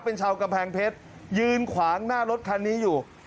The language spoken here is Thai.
เป็นชาวกำแพงเพชรยืนขวางหน้ารถคันนี้อยู่